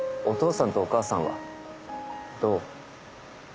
お父さんとお母さんはどう？